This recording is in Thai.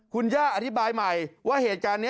คุณย่าอธิบายใหม่ว่าเหตุการณ์นี้